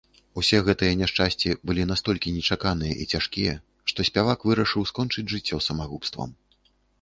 Усе гэтыя няшчасці былі настолькі нечаканыя і цяжкія, што спявак вырашыў скончыць жыццё самагубствам.